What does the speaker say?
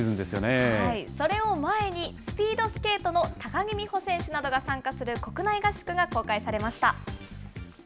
それを前に、スピードスケートの高木美帆選手などが参加する国内合宿が公開されました。